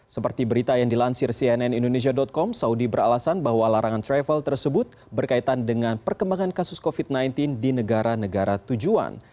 seperti berita yang dilansir cnn indonesia com saudi beralasan bahwa larangan travel tersebut berkaitan dengan perkembangan kasus covid sembilan belas di negara negara tujuan